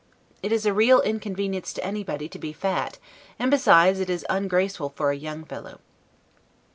It is a real inconvenience to anybody to be fat, and besides it is ungraceful for a young fellow.